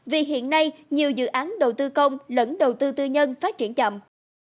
vì hiện nay nhiều dự án đầu tư công lẫn đầu tư tư nhân phát triển chậm